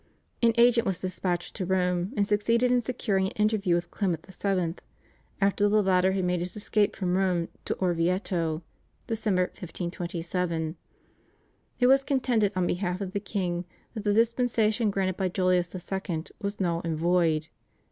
An agent was dispatched to Rome and succeeded in securing an interview with Clement VII., after the latter had made his escape from Rome to Orvieto (December 1527). It was contended on behalf of the king that the dispensation granted by Julius II. was null and void.